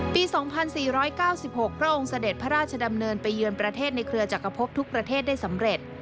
๒๔๙๖พระองค์เสด็จพระราชดำเนินไปเยือนประเทศในเครือจักรพบทุกประเทศได้สำเร็จ